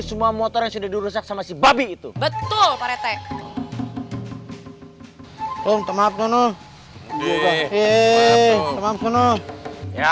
semua motor yang sudah dirusak sama si babi itu betul pak rt lo minta maaf nono eh maaf nono ya